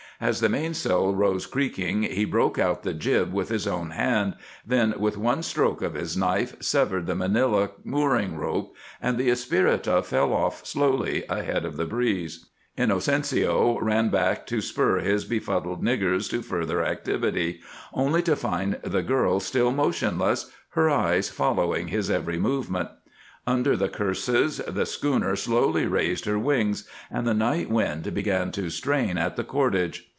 As the mainsail rose creaking he broke out the jib with his own hand, then with one stroke of his knife severed the manila mooring rope, and the Espirita fell off slowly ahead of the breeze. Inocencio ran back to spur his befuddled "niggers" to further activity, only to find the girl still motionless, her eyes following his every movement. Under the curses, the schooner slowly raised her wings and the night wind began to strain at the cordage.